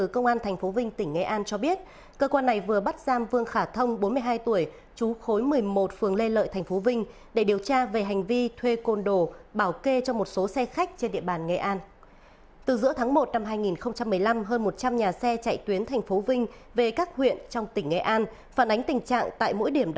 các bạn hãy đăng ký kênh để ủng hộ kênh của chúng mình nhé